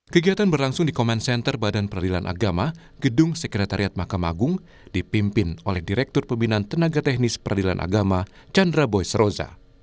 kegiatan berlangsung di comment center badan peradilan agama gedung sekretariat mahkamah agung dipimpin oleh direktur pembinaan tenaga teknis peradilan agama chandra boys roza